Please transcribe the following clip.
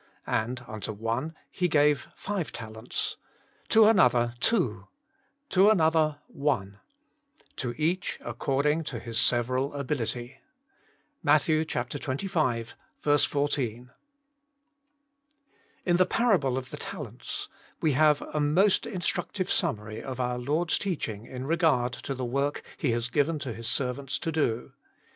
And unto one he gave five talents, to another two, to an other one ; to each according to his several ability.' — Matt. xxv. 14. IN the parable of the talents we have a most instructive summary of our Lord's teaching in regard to the work He has given to His servants to do.